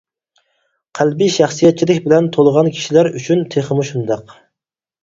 قەلبى شەخسىيەتچىلىك بىلەن تولغان كىشىلەر ئۈچۈن تېخىمۇ شۇنداق.